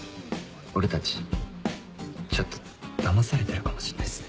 俺たちちょっと騙されてるかもしんないっすね。